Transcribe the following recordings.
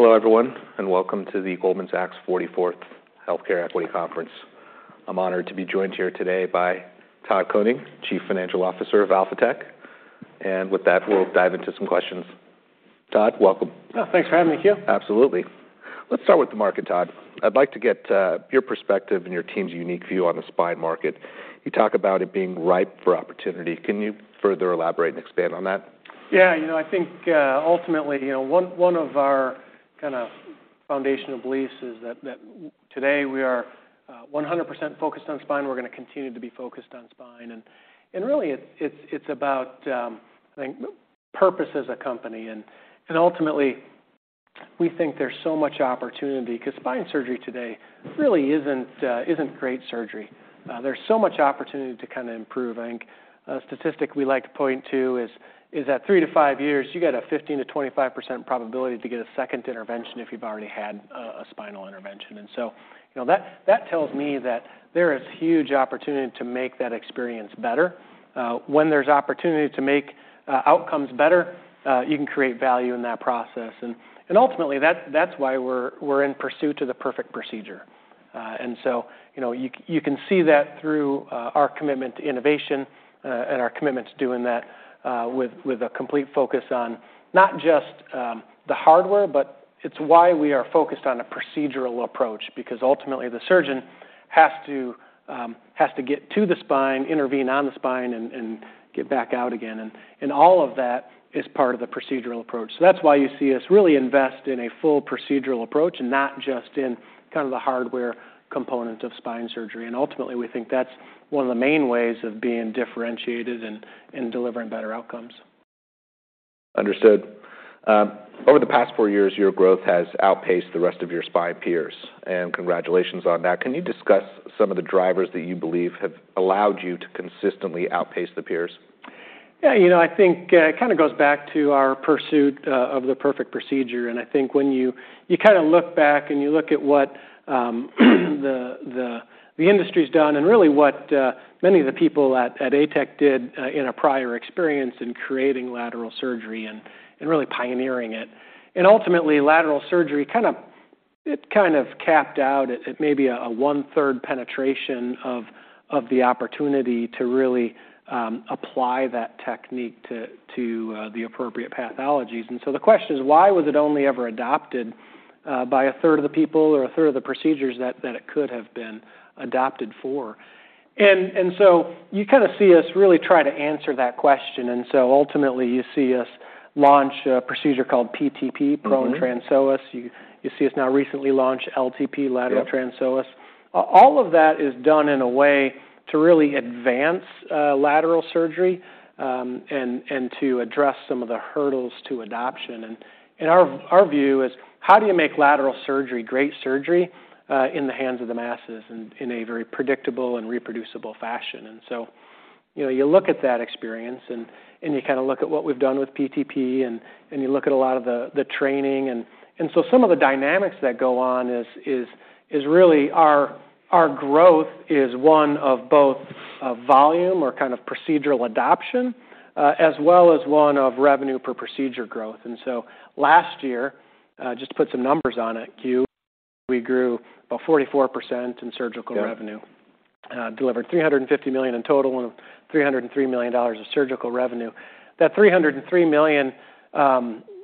Hello, everyone, and welcome to the Goldman Sachs 44th Healthcare Equity Conference. I'm honored to be joined here today by Todd Koning, Chief Financial Officer of Alphatec. With that, we'll dive into some questions. Todd, welcome. Oh, thanks for having me, Q. Absolutely. Let's start with the market, Todd. I'd like to get your perspective and your team's unique view on the spine market. You talk about it being ripe for opportunity. Can you further elaborate and expand on that? Yeah, you know, I think, ultimately, you know, one of our kinda foundational beliefs is that today we are 100% focused on spine, we're gonna continue to be focused on spine. Really, it's about, I think, purpose as a company. Ultimately, we think there's so much opportunity cause spine surgery today really isn't great surgery. There's so much opportunity to kinda improve. I think a statistic we like to point to is that 3-5 years, you got a 15%-25% probability to get a second intervention if you've already had a spinal intervention. You know, that tells me that there is huge opportunity to make that experience better. When there's opportunity to make outcomes better, you can create value in that process. Ultimately, that's why we're in pursuit to the perfect procedure. You know, you can see that through our commitment to innovation and our commitment to doing that with a complete focus on not just the hardware, but it's why we are focused on a procedural approach, because ultimately, the surgeon has to get to the spine, intervene on the spine and get back out again, and all of that is part of the procedural approach. That's why you see us really invest in a full procedural approach and not just in kind of the hardware components of spine surgery. Ultimately, we think that's one of the main ways of being differentiated and delivering better outcomes. Understood. Over the past four years, your growth has outpaced the rest of your spine peers, and congratulations on that. Can you discuss some of the drivers that you believe have allowed you to consistently outpace the peers? Yeah, you know, I think it kinda goes back to our pursuit of the perfect procedure, and I think when you kinda look back and you look at what the industry's done and really what many of the people at ATEC did in a prior experience in creating lateral surgery and really pioneering it. Ultimately, lateral surgery it kind of capped out at maybe a 1/3 penetration of the opportunity to really apply that technique to the appropriate pathologies. The question is, why was it only ever adopted by 1/3 of the people or 1/3 of the procedures that it could have been adopted for? You kinda see us really try to answer that question, ultimately, you see us launch a procedure called PTP. Mm-hmm... Prone Transpsoas. You see us now recently launch LTP. Yeah Lateral Transpsoas. All of that is done in a way to really advance lateral surgery, and to address some of the hurdles to adoption. And our view is, how do you make lateral surgery great surgery in the hands of the masses and in a very predictable and reproducible fashion? You know, you look at that experience, and you kind of look at what we've done with PTP, and you look at a lot of the training. So some of the dynamics that go on is really our growth is one of both volume or kind of procedural adoption, as well as one of revenue per procedure growth. Last year, just to put some numbers on it, Q, we grew about 44% in surgical revenue- Yeah delivered $350 million in total, $303 million of surgical revenue. That $303 million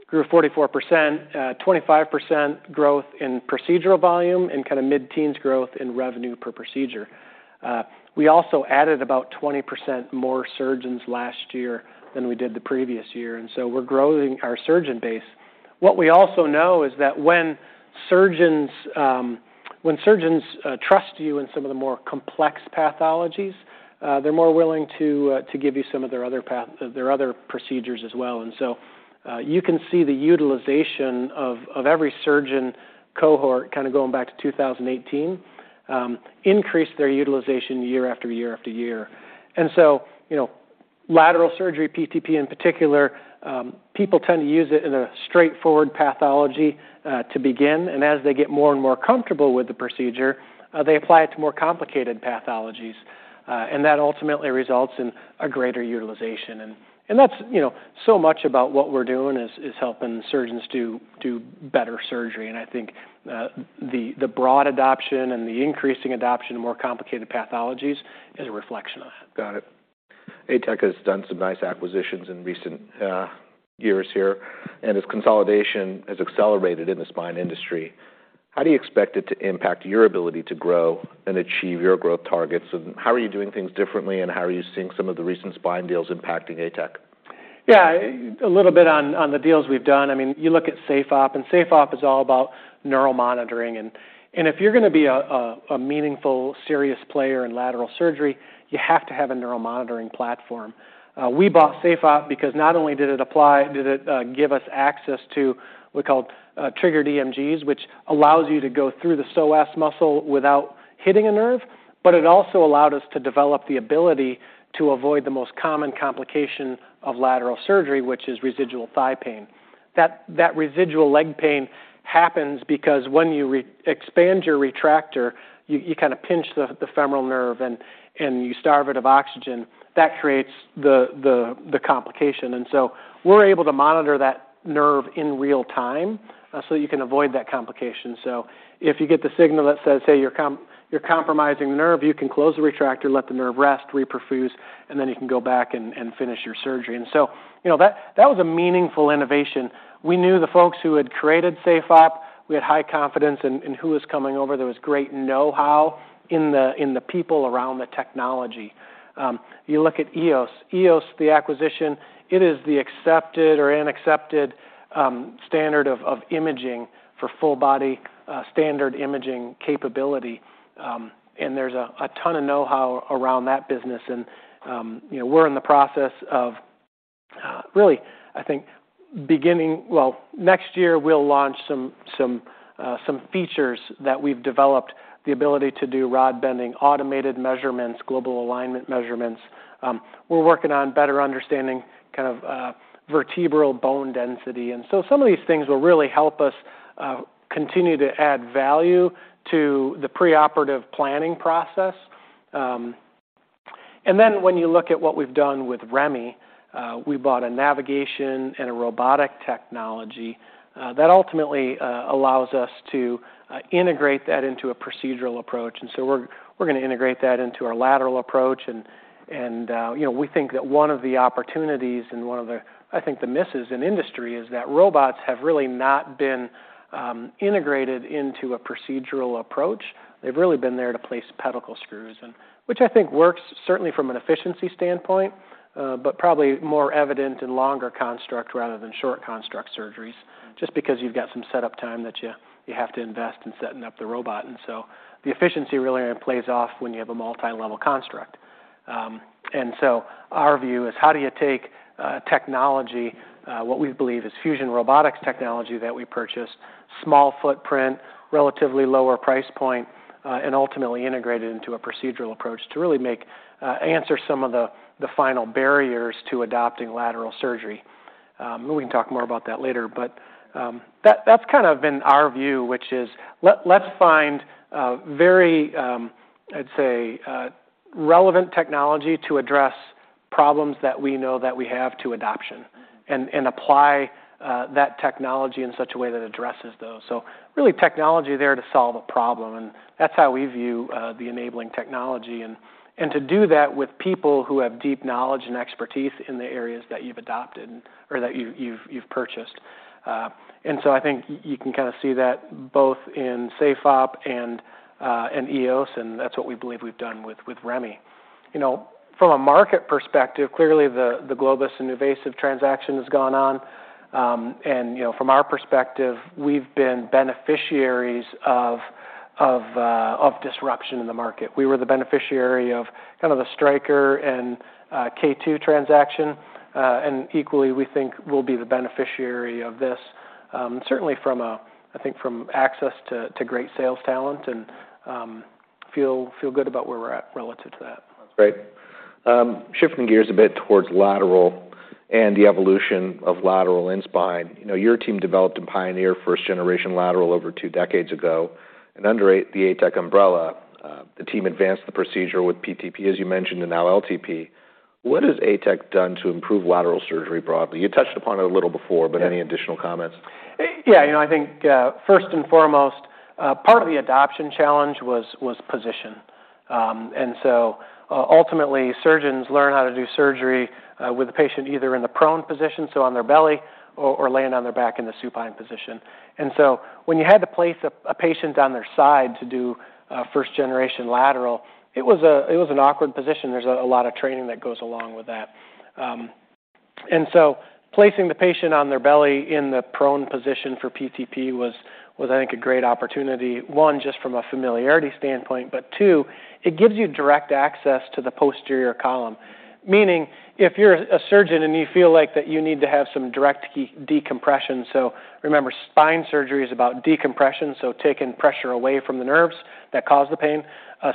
grew 44%, 25% growth in procedural volume and kinda mid-teens growth in revenue per procedure. We also added about 20% more surgeons last year than we did the previous year, we're growing our surgeon base. What we also know is that when surgeons trust you in some of the more complex pathologies, they're more willing to give you some of their other procedures as well. You can see the utilization of every surgeon cohort kinda going back to 2018, increase their utilization year after year after year. You know, lateral surgery, PTP in particular, people tend to use it in a straightforward pathology to begin, and as they get more and more comfortable with the procedure, they apply it to more complicated pathologies, and that ultimately results in a greater utilization. That's, you know, so much about what we're doing is helping surgeons do better surgery. I think, the broad adoption and the increasing adoption of more complicated pathologies is a reflection of that. Got it. ATEC has done some nice acquisitions in recent years here, and as consolidation has accelerated in the spine industry, how do you expect it to impact your ability to grow and achieve your growth targets? How are you doing things differently, and how are you seeing some of the recent spine deals impacting ATEC? A little bit on the deals we've done. I mean, you look at SafeOp. SafeOp is all about neuromonitoring. If you're going to be a meaningful, serious player in lateral surgery, you have to have a neuromonitoring platform. We bought SafeOp because not only did it give us access to what we call triggered EMGs, which allows you to go through the psoas muscle without hitting a nerve, but it also allowed us to develop the ability to avoid the most common complication of lateral surgery, which is residual thigh pain. That residual leg pain happens because when you re-expand your retractor, you kind of pinch the femoral nerve and you starve it of oxygen. That creates the complication. We're able to monitor that nerve in real time, so you can avoid that complication. If you get the signal that says, hey, you're compromising the nerve, you can close the retractor, let the nerve rest, reperfuse, and then you can go back and finish your surgery. You know, that was a meaningful innovation. We knew the folks who had created SafeOp, we had high confidence in who was coming over. There was great know-how in the people around the technology. You look at EOS. EOS, the acquisition, it is the accepted or unaccepted standard of imaging for full body standard imaging capability. There's a ton of know-how around that business. You know, we're in the process of really, I think, Well, next year, we'll launch some features that we've developed, the ability to do rod bending, automated measurements, global alignment measurements. We're working on better understanding kind of vertebral bone density. Some of these things will really help us continue to add value to the preoperative planning process. When you look at what we've done with REMI, we bought a navigation and a robotic technology that ultimately allows us to integrate that into a procedural approach. We're gonna integrate that into our lateral approach. You know, we think that one of the opportunities and one of the... I think the misses in industry, is that robots have really not been integrated into a procedural approach. They've really been there to place pedicle screws which I think works certainly from an efficiency standpoint, but probably more evident in longer construct rather than short construct surgeries, just because you've got some setup time that you have to invest in setting up the robot. The efficiency really plays off when you have a multi-level construct. Our view is, how do you take technology, what we believe is Fusion Robotics technology that we purchased, small footprint, relatively lower price point, and ultimately integrate it into a procedural approach to really make answer some of the final barriers to adopting lateral surgery? We can talk more about that later, but, that's kind of been our view, which is, let's find, very, I'd say, relevant technology to address problems that we know that we have to adoption and, apply, that technology in such a way that addresses those. Really, technology there to solve a problem, and that's how we view, the enabling technology. To do that with people who have deep knowledge and expertise in the areas that you've adopted or that you've purchased. I think you can kinda see that both in SafeOp and EOS, and that's what we believe we've done with REMI. You know, from a market perspective, clearly the Globus and NuVasive transaction has gone on. You know, from our perspective, we've been beneficiaries of disruption in the market. We were the beneficiary of kind of the Stryker and K2 transaction. Equally, we think we'll be the beneficiary of this, certainly from a, I think, from access to great sales talent and feel good about where we're at relative to that. That's great. Shifting gears a bit towards lateral and the evolution of lateral in spine. You know, your team developed a pioneer first-generation lateral over two decades ago, and under the ATEC umbrella, the team advanced the procedure with PTP, as you mentioned, and now LTP. What has ATEC done to improve lateral surgery broadly? You touched upon it a little before. Yeah. Any additional comments? Yeah, you know, I think, first and foremost, part of the adoption challenge was position. Ultimately, surgeons learn how to do surgery with the patient either in the prone position, so on their belly or laying on their back in the supine position. When you had to place a patient on their side to do a first-generation lateral, it was an awkward position. There's a lot of training that goes along with that. Placing the patient on their belly in the prone position for PTP was, I think, a great opportunity, one, just from a familiarity standpoint, but two, it gives you direct access to the posterior column. Meaning, if you're a surgeon and you feel like that you need to have some direct decompression, so remember, spine surgery is about decompression, so taking pressure away from the nerves that cause the pain.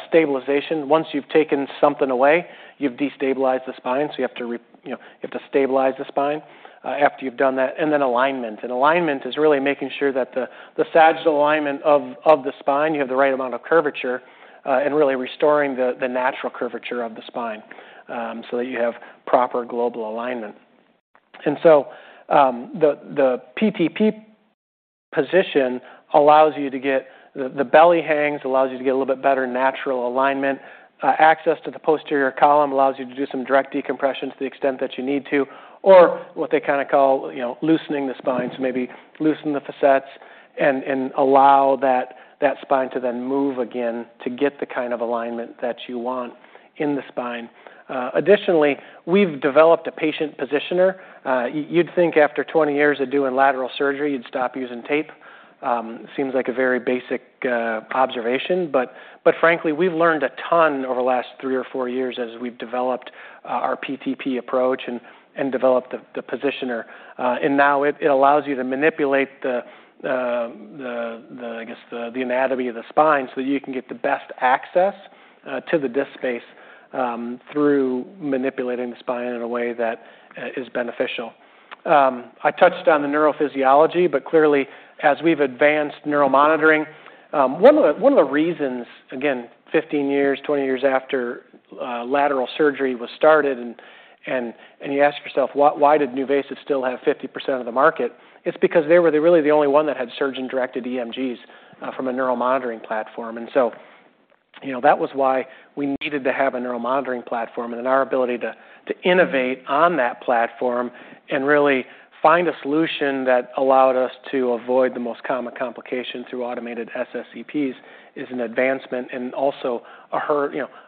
Stabilization, once you've taken something away, you've destabilized the spine, so you have to you know, you have to stabilize the spine after you've done that, and then alignment. Alignment is really making sure that the sagittal alignment of the spine, you have the right amount of curvature, and really restoring the natural curvature of the spine, so that you have proper global alignment. The PTP position allows you to get... The belly hangs, allows you to get a little bit better natural alignment. Access to the posterior column allows you to do some direct decompression to the extent that you need to, or what they kinda call, you know, loosening the spine. Maybe loosen the facets and allow that spine to then move again to get the kind of alignment that you want in the spine. Additionally, we've developed a patient positioner. You'd think after 20 years of doing lateral surgery, you'd stop using tape. Seems like a very basic observation, but frankly, we've learned a ton over the last three or four years as we've developed our PTP approach and developed the positioner. Now it allows you to manipulate the... I guess, the anatomy of the spine, so you can get the best access to the disc space, through manipulating the spine in a way that is beneficial. I touched on the neurophysiology, but clearly, as we've advanced neuromonitoring, one of the reasons, again, 15 years, 20 years after lateral surgery was started and you ask yourself, "Why, why did NuVasive still have 50% of the market?" It's because they were the really the only one that had surgeon-directed EMGs from a neuromonitoring platform. you know, that was why we needed to have a neuromonitoring platform, and then our ability to innovate on that platform and really find a solution that allowed us to avoid the most common complication through automated SSEPs is an advancement and also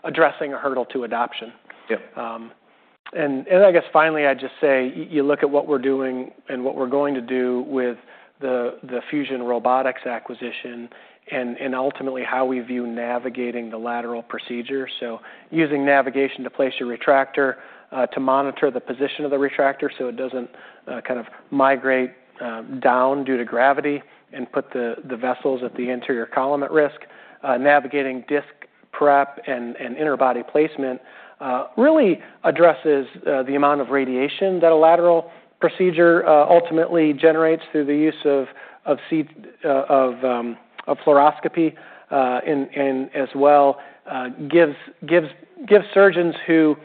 addressing a hurdle to adoption. Yeah. I guess finally, I'd just say, you look at what we're doing and what we're going to do with the Fusion Robotics acquisition and ultimately how we view navigating the lateral procedure. Using navigation to place your retractor, to monitor the position of the retractor so it doesn't kind of migrate down due to gravity and put the vessels at the anterior column at risk. Navigating disc prep and interbody placement really addresses the amount of radiation that a lateral procedure ultimately generates through the use of fluoroscopy. As well, gives surgeons who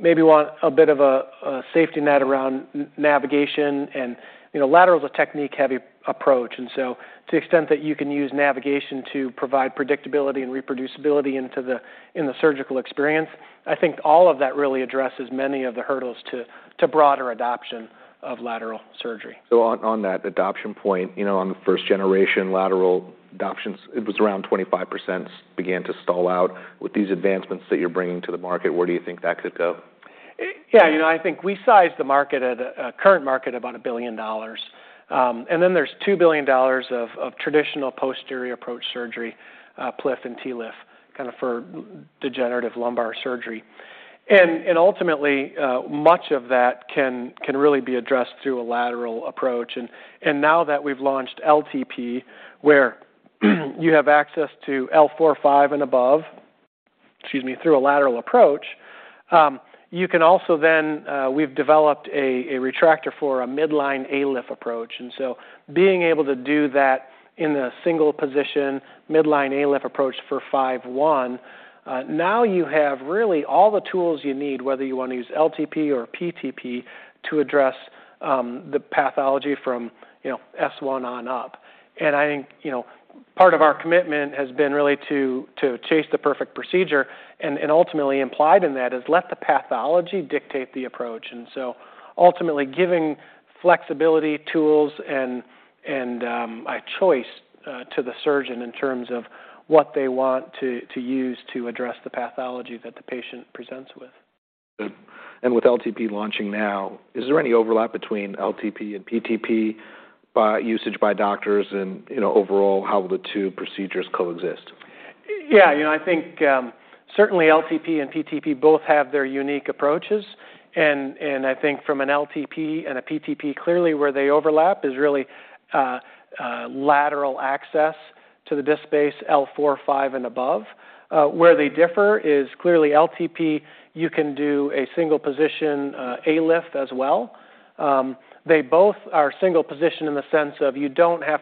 maybe want a bit of a safety net around navigation and... You know, lateral is a technique-heavy approach, and so to the extent that you can use navigation to provide predictability and reproducibility in the surgical experience, I think all of that really addresses many of the hurdles to broader adoption of lateral surgery. On that adoption point, you know, on the first generation, lateral adoptions, it was around 25% began to stall out. With these advancements that you're bringing to the market, where do you think that could go? Yeah, you know, I think we sized the market at a current market about $1 billion. Then there's $2 billion of traditional posterior approach surgery, PLIF and TLIF, kinda for degenerative lumbar surgery. Ultimately, much of that can really be addressed through a lateral approach. Now that we've launched LTP, where you have access to L4-5 and above, excuse me, through a lateral approach, you can also then we've developed a retractor for a midline ALIF approach. Being able to do that in a single position, midline ALIF approach for five one, now you have really all the tools you need, whether you want to use LTP or PTP, to address the pathology from, you know, S1 on up. I think, you know, part of our commitment has been really to chase the perfect procedure, and ultimately implied in that is let the pathology dictate the approach, ultimately giving flexibility, tools, and a choice to the surgeon in terms of what they want to use to address the pathology that the patient presents with. Good. With LTP launching now, is there any overlap between LTP and PTP by usage by doctors? You know, overall, how will the two procedures coexist? Yeah, you know, I think, certainly LTP and PTP both have their unique approaches, and I think from an LTP and a PTP, clearly where they overlap is really lateral access to the disc space L4, 5, and above. Where they differ is clearly LTP, you can do a single position ALIF as well. They both are single position in the sense of you don't have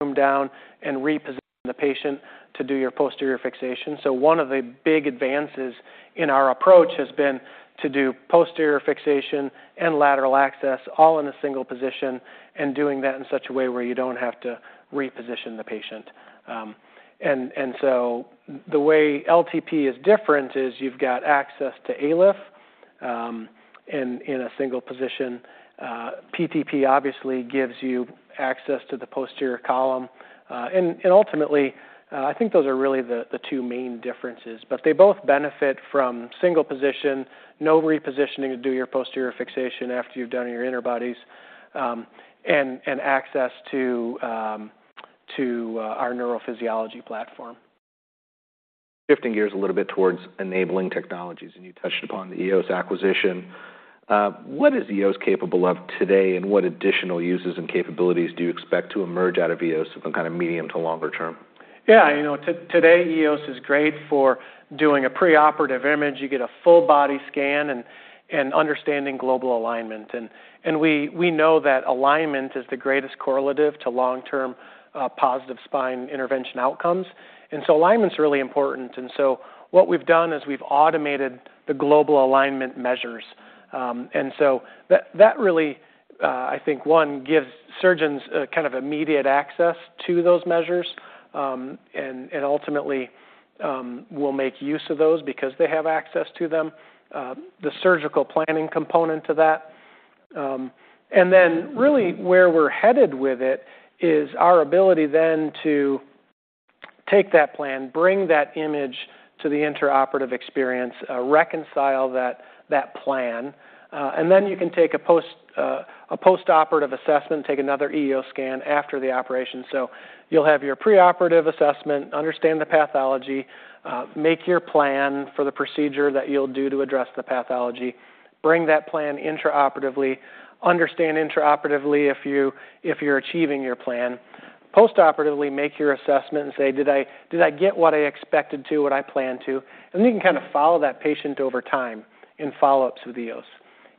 them down and reposition the patient to do your posterior fixation. One of the big advances in our approach has been to do posterior fixation and lateral access all in a single position, and doing that in such a way where you don't have to reposition the patient. The way LTP is different is you've got access to ALIF in a single position. PTP obviously gives you access to the posterior column. Ultimately, I think those are really the two main differences. They both benefit from single position, no repositioning to do your posterior fixation after you've done your interbodies, and access to our neurophysiology platform. Shifting gears a little bit towards enabling technologies, and you touched upon the EOS acquisition. What is EOS capable of today, and what additional uses and capabilities do you expect to emerge out of EOS in kind of medium to longer term? Yeah, you know, today, EOS is great for doing a preoperative image. You get a full body scan and understanding global alignment. We know that alignment is the greatest correlative to long-term positive spine intervention outcomes, so alignment's really important. What we've done is we've automated the global alignment measures. That really, I think, one, gives surgeons a kind of immediate access to those measures, and ultimately, will make use of those because they have access to them, the surgical planning component to that. Really, where we're headed with it is our ability then to take that plan, bring that image to the intraoperative experience, reconcile that plan, and you can take a postoperative assessment, take another EOS scan after the operation. You'll have your preoperative assessment, understand the pathology, make your plan for the procedure that you'll do to address the pathology, bring that plan intraoperatively, understand intraoperatively if you're achieving your plan. Post-operatively, make your assessment and say: Did I get what I expected to, what I planned to? You can kind of follow that patient over time in follow-ups with EOS.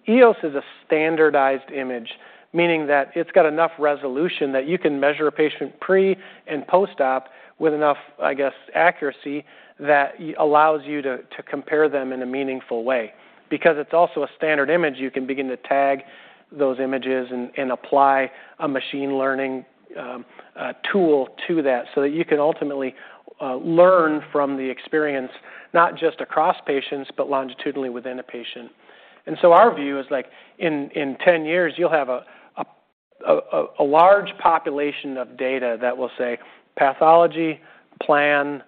EOS is a standardized image, meaning that it's got enough resolution that you can measure a patient pre- and post-op with enough, I guess, accuracy that allows you to compare them in a meaningful way. It's also a standard image, you can begin to tag those images and apply a machine learning tool to that, so that you can ultimately learn from the experience, not just across patients, but longitudinally within a patient. Our view is, like, in 10 years, you'll have a large population of data that will say, pathology, plan,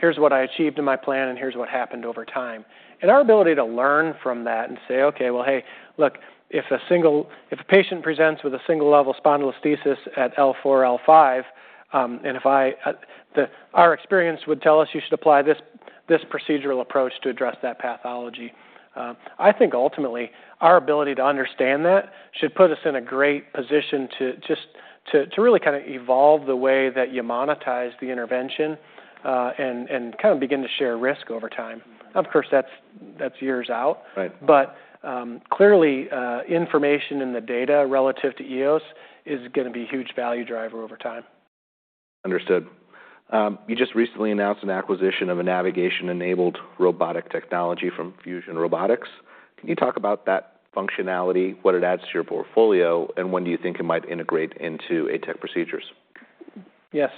here's what I achieved in my plan, and here's what happened over time. Our ability to learn from that and say, Okay, well, hey, look, if a patient presents with a single-level spondylolisthesis at L4, L5, and if I... Our experience would tell us you should apply this procedural approach to address that pathology. I think ultimately, our ability to understand that should put us in a great position to just, to really kind of evolve the way that you monetize the intervention, and kind of begin to share risk over time. Of course, that's years out. Right. clearly, information in the data relative to EOS is gonna be a huge value driver over time. Understood. You just recently announced an acquisition of a navigation-enabled robotic technology from Fusion Robotics. Can you talk about that functionality, what it adds to your portfolio, and when do you think it might integrate into ATEC procedures? Yes.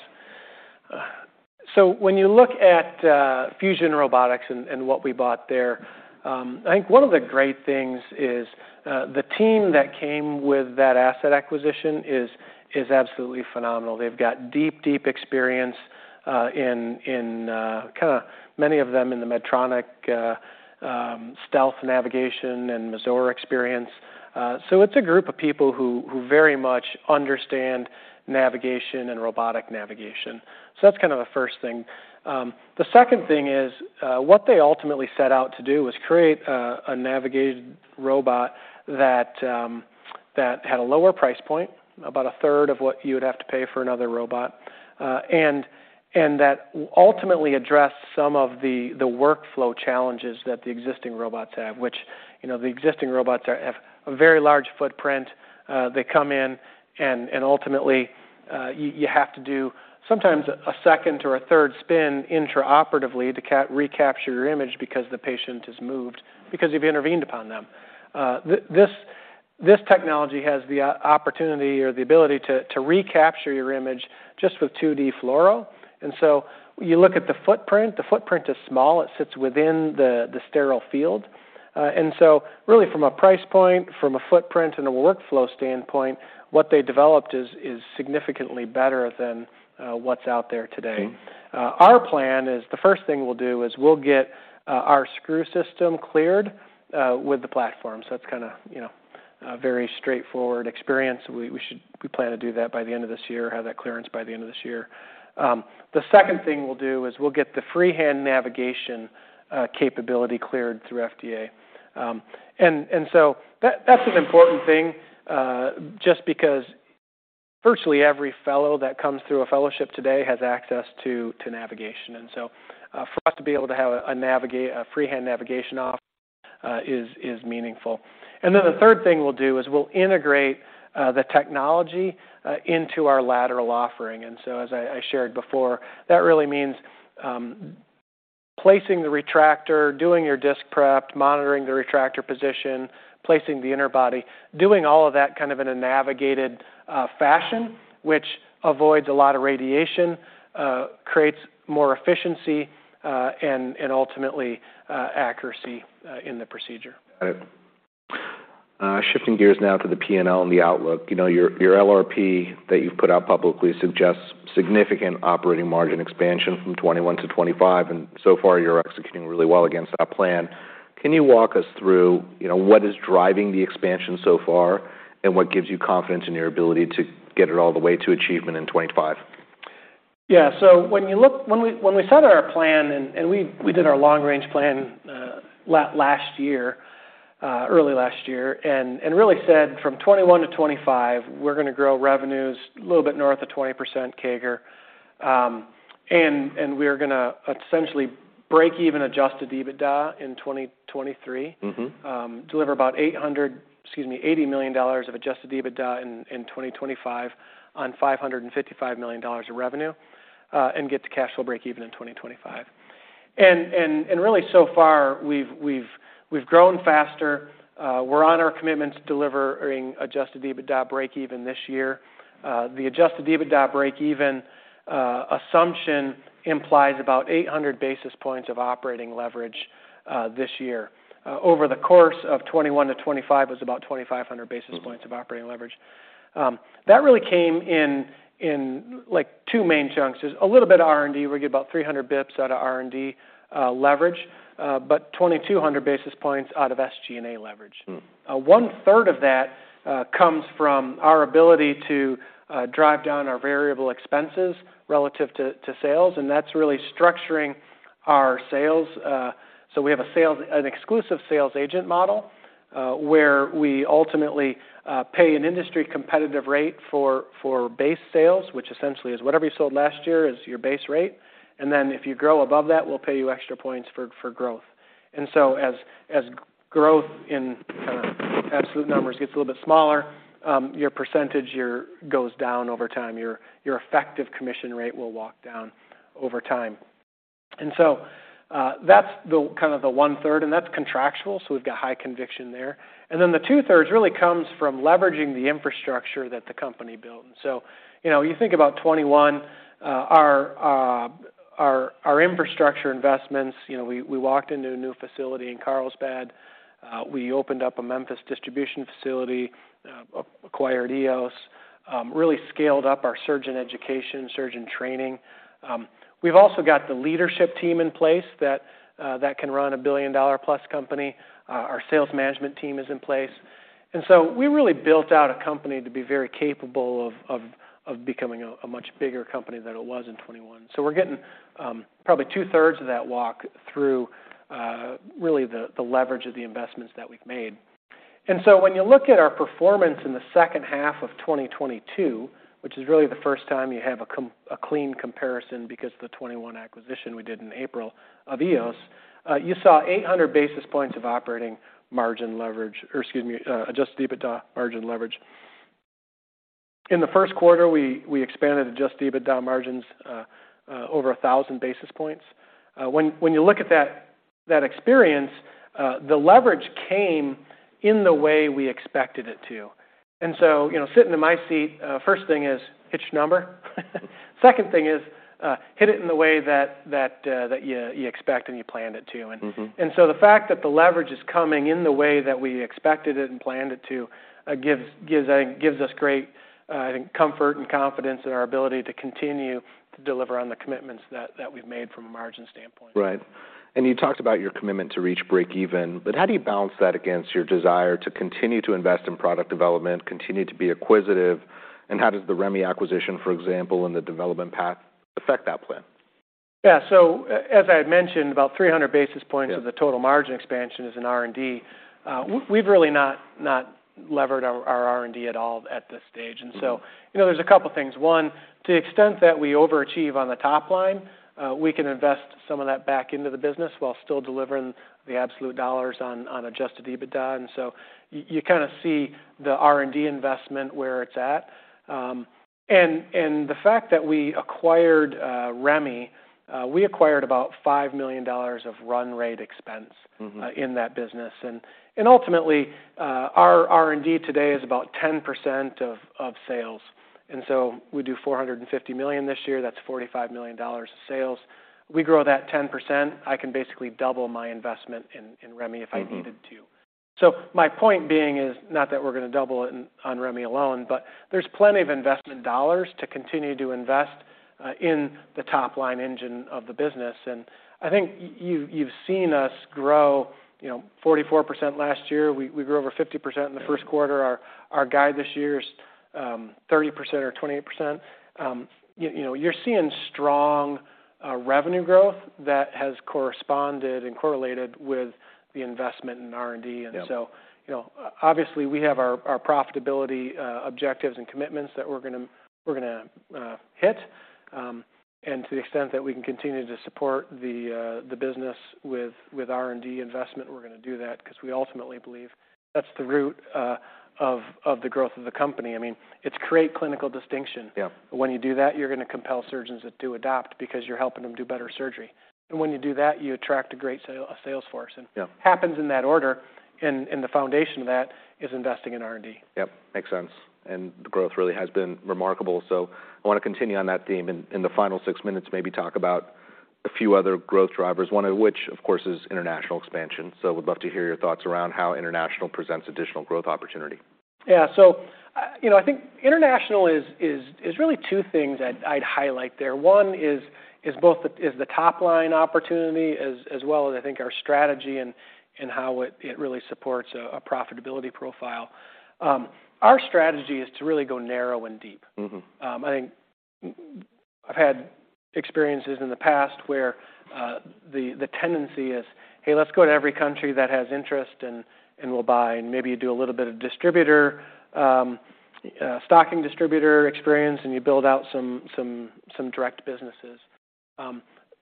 When you look at Fusion Robotics and what we bought there, I think one of the great things is absolutely phenomenal. They've got deep experience in kinda many of them in the Medtronic Stealth Navigation and Mazor experience. It's a group of people who very much understand navigation and robotic navigation. That's kind of the first thing. The second thing is, what they ultimately set out to do was create a navigation robot that had a lower price point, about a third of what you would have to pay for another robot, and that ultimately addressed some of the workflow challenges that the existing robots have a very large footprint. They come in and ultimately, you have to do sometimes a second or a third spin intraoperatively to recapture your image because the patient has moved, because you've intervened upon them. This technology has the opportunity or the ability to recapture your image just with 2D fluoro. You look at the footprint, the footprint is small. It sits within the sterile field. Really, from a price point, from a footprint, and a workflow standpoint, what they developed is significantly better than what's out there today. Mm-hmm. Our plan is, the first thing we'll do is we'll get our screw system cleared with the platform. That's kinda, you know, a very straightforward experience. We plan to do that by the end of this year, have that clearance by the end of this year. The second thing we'll do is we'll get the freehand navigation capability cleared through FDA. That's an important thing just because virtually every fellow that comes through a fellowship today has access to navigation. For us to be able to have a freehand navigation off is meaningful. The third thing we'll do is we'll integrate the technology into our lateral offering. As I shared before, that really means placing the retractor, doing your disc prep, monitoring the retractor position, placing the interbody, doing all of that kind of in a navigated fashion, which avoids a lot of radiation, creates more efficiency, and ultimately, accuracy in the procedure. Got it. shifting gears now to the P&L and the outlook. You know, your LRP that you've put out publicly suggests significant operating margin expansion from 2021 to 2025, and so far, you're executing really well against that plan. Can you walk us through, you know, what is driving the expansion so far, and what gives you confidence in your ability to get it all the way to achievement in 2025? Yeah. When we set our plan, and we did our long-range plan, last year, early last year, and really said, from 2021 to 2025, we're gonna grow revenues a little bit north of 20% CAGR. And we're gonna essentially break even adjusted EBITDA in 2023. Mm-hmm. deliver about $80 million of adjusted EBITDA in 2025 on $555 million of revenue, and get to cash flow break even in 2025. Really, so far, we've grown faster. We're on our commitments delivering adjusted EBITDA break even this year. The adjusted EBITDA break even assumption implies about 800 basis points of operating leverage this year. Over the course of 2021-2025 is about 2,500 basis- Mm-hmm... points of operating leverage. That really came in, like, two main chunks. Just a little bit of R&D. We get about 300 bips out of R&D leverage, but 2,200 basis points out of SG&A leverage. Hmm. One-third of that comes from our ability to drive down our variable expenses relative to sales, that's really structuring our sales. We have an exclusive sales agent model where we ultimately pay an industry competitive rate for base sales, which essentially is whatever you sold last year is your base rate, then if you grow above that, we'll pay you extra points for growth. As growth in kind of absolute numbers gets a little bit smaller, your percentage goes down over time. Your effective commission rate will walk down over time. That's the kind of the one-third, that's contractual, so we've got high conviction there. The two-thirds really comes from leveraging the infrastructure that the company built. You know, you think about 2021, our infrastructure investments, you know, we walked into a new facility in Carlsbad, we opened up a Memphis distribution facility, acquired EOS, really scaled up our surgeon education, surgeon training. We've also got the leadership team in place that can run a billion-dollar-plus company. Our sales management team is in place. We really built out a company to be very capable of becoming a much bigger company than it was in 2021. We're getting, probably two-thirds of that walk through, really the leverage of the investments that we've made. When you look at our performance in the second half of 2022, which is really the first time you have a clean comparison, because the 2021 acquisition we did in April of EOS, you saw 800 basis points of operating margin leverage, or excuse me, adjusted EBITDA margin leverage. In the first quarter, we expanded adjusted EBITDA margins over 1,000 basis points. When you look at that experience, the leverage came in the way we expected it to. You know, sitting in my seat, first thing is, hit your number. Second thing is, hit it in the way that you expect and you planned it to. Mm-hmm. The fact that the leverage is coming in the way that we expected it and planned it to, gives us great, I think, comfort and confidence in our ability to continue to deliver on the commitments that we've made from a margin standpoint. Right. You talked about your commitment to reach breakeven, but how do you balance that against your desire to continue to invest in product development, continue to be acquisitive, and how does the REMI acquisition, for example, and the development path affect that plan? Yeah, as I had mentioned, about 300 basis points. Yeah... of the total margin expansion is in R&D. We've really not levered our R&D at all at this stage. Mm-hmm. You know, there's a couple things. One, to the extent that we overachieve on the top line, we can invest some of that back into the business while still delivering the absolute dollars on adjusted EBITDA, so you kinda see the R&D investment where it's at. And the fact that we acquired REMI, we acquired about $5 million of run rate expense- Mm-hmm in that business. Ultimately, our R&D today is about 10% of sales. We do $450 million this year. That's $45 million of sales. We grow that 10%, I can basically double my investment in REMI. Mm-hmm needed to. My point being is, not that we're gonna double it on REMI alone, but there's plenty of investment dollars to continue to invest in the top-line engine of the business. I think you've seen us grow, you know, 44% last year. We, we grew over 50% in the first quarter. Our, our guide this year is 30% or 28%. You know, you're seeing strong revenue growth that has corresponded and correlated with the investment in R&D. Yeah. You know, obviously, we have our profitability objectives and commitments that we're gonna hit. To the extent that we can continue to support the business with R&D investment, we're gonna do that because we ultimately believe that's the root of the growth of the company. I mean, it's create clinical distinction. Yeah. When you do that, you're gonna compel surgeons to adopt because you're helping them do better surgery. When you do that, you attract a great sales force. Yeah. Happens in that order, and the foundation of that is investing in R&D. Yep, makes sense. The growth really has been remarkable. I want to continue on that theme in the final six minutes, maybe talk about a few other growth drivers, one of which, of course, is international expansion. Would love to hear your thoughts around how international presents additional growth opportunity. You know, I think international is really two things I'd highlight there. One is the top-line opportunity, as well as I think our strategy and how it really supports a profitability profile. Our strategy is to really go narrow and deep. Mm-hmm. I think I've had txperiences in the past where the tendency is, "Hey, let's go to every country that has interest and will buy." Maybe you do a little bit of distributor stocking distributor experience, and you build out some direct businesses.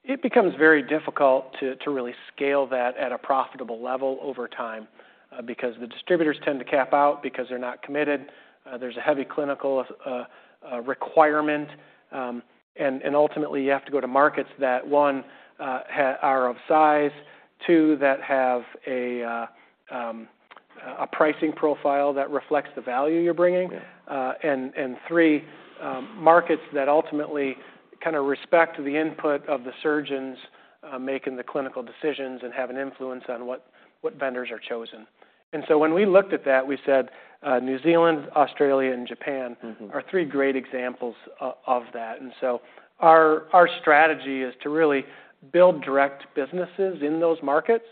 It becomes very difficult to really scale that at a profitable level over time because the distributors tend to cap out because they're not committed. There's a heavy clinical requirement, and ultimately, you have to go to markets that, one, are of size. Two, that have a pricing profile that reflects the value you're bringing. Yeah. And three markets that ultimately kinda respect the input of the surgeons, making the clinical decisions and have an influence on what vendors are chosen. When we looked at that, we said, New Zealand, Australia, and Japan- Mm-hmm... are three great examples of that. Our strategy is to really build direct businesses in those markets.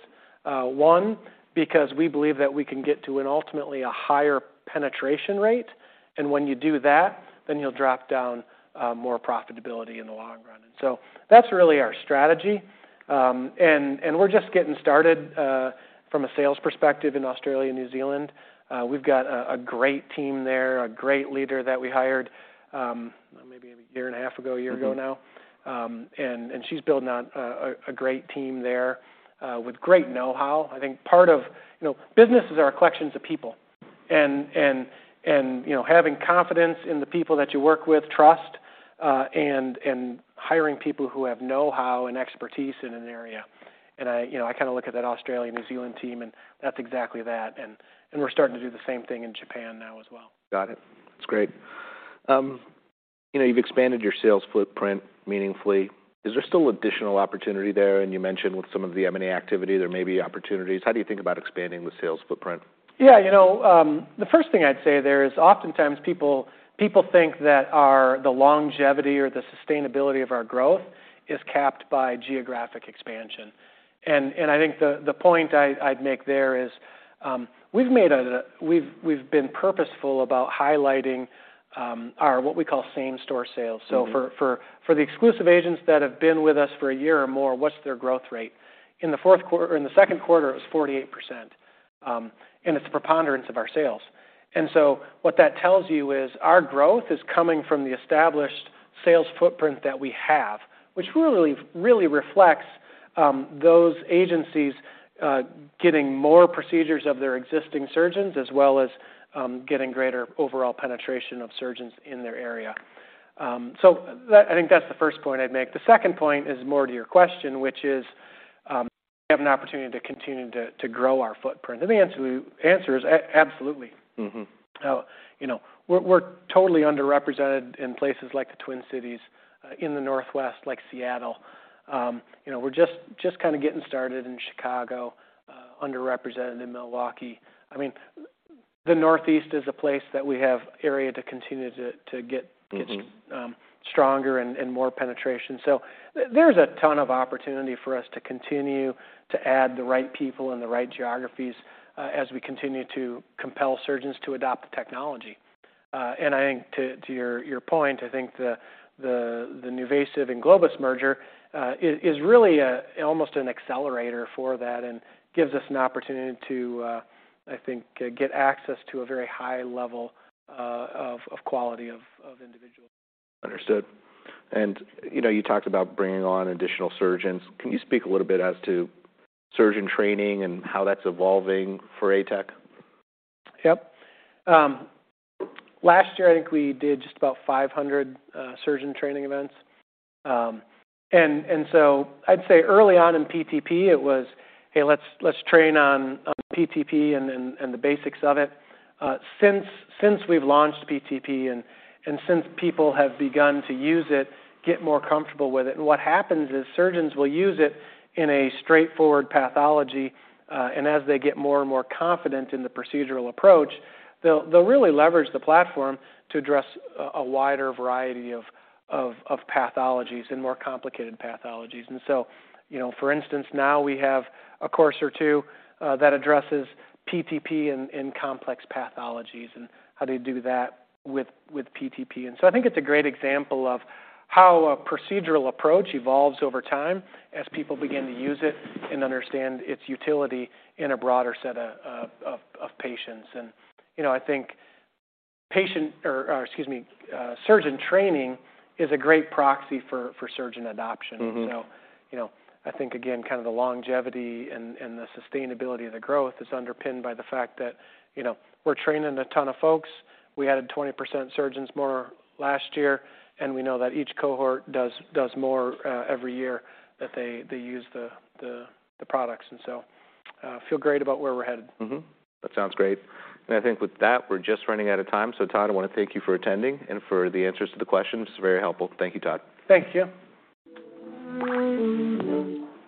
One, because we believe that we can get to an ultimately a higher penetration rate, and when you do that, then you'll drop down more profitability in the long run. That's really our strategy. And we're just getting started from a sales perspective in Australia and New Zealand. We've got a great team there, a great leader that we hired maybe a year and a half ago, a year ago now. And she's building out a great team there with great know-how. I think you know, businesses are collections of people and, you know, having confidence in the people that you work with, trust, and hiring people who have know-how and expertise in an area. I, you know, I kinda look at that Australia, New Zealand team, and that's exactly that, and we're starting to do the same thing in Japan now as well. Got it. That's great. you know, you've expanded your sales footprint meaningfully. Is there still additional opportunity there? You mentioned with some of the M&A activity, there may be opportunities. How do you think about expanding the sales footprint? Yeah, you know, the first thing I'd say there is oftentimes, people think that the longevity or the sustainability of our growth is capped by geographic expansion. I think the point I'd make there is, we've been purposeful about highlighting, our, what we call same-store sales. Mm-hmm. For the exclusive agents that have been with us for a year or more, what's their growth rate? In the second quarter, it was 48%, and it's the preponderance of our sales. What that tells you is, our growth is coming from the established sales footprint that we have, which really reflects those agencies getting more procedures of their existing surgeons, as well as getting greater overall penetration of surgeons in their area. I think that's the first point I'd make. The second point is more to your question, which is, we have an opportunity to continue to grow our footprint. The answer is absolutely. Mm-hmm. You know, we're totally underrepresented in places like the Twin Cities, in the Northwest, like Seattle. You know, we're just kinda getting started in Chicago, underrepresented in Milwaukee. I mean, the Northeast is a place that we have area to continue to get. Mm-hmm... stronger and more penetration. There's a ton of opportunity for us to continue to add the right people in the right geographies, as we continue to compel surgeons to adopt the technology. I think to your point, I think the NuVasive and Globus merger is really almost an accelerator for that and gives us an opportunity to, I think, get access to a very high level of quality of individuals. Understood. You know, you talked about bringing on additional surgeons. Can you speak a little bit as to surgeon training and how that's evolving for ATEC? Yep. Last year, I think we did just about 500 surgeon training events. I'd say early on in PTP, it was, "Hey, let's train on PTP and the basics of it." Since we've launched PTP and since people have begun to use it, get more comfortable with it, and what happens is surgeons will use it in a straightforward pathology, and as they get more and more confident in the procedural approach, they'll really leverage the platform to address a wider variety of pathologies and more complicated pathologies. You know, for instance, now we have a course or two that addresses PTP in complex pathologies and how do you do that with PTP. I think it's a great example of how a procedural approach evolves over time as people begin to use it and understand its utility in a broader set of patients. You know, I think patient or excuse me, surgeon training is a great proxy for surgeon adoption. Mm-hmm. You know, I think, again, kind of the longevity and the sustainability of the growth is underpinned by the fact that, you know, we're training a ton of folks. We added 20% surgeons more last year, and we know that each cohort does more every year that they use the products. Feel great about where we're headed. Mm-hmm. That sounds great. I think with that, we're just running out of time. Todd, I wanna thank you for attending and for the answers to the questions. It's very helpful. Thank you, Todd. Thank you.